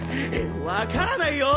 わからないよ。